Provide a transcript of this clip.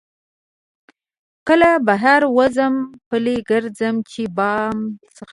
کله بهر وځم پلی ګرځم چې پام مې په بله شي.